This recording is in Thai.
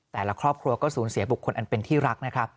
แต่ละครอบครัวก็สูญเสียบุคคลอันเป็นที่รักนะครับ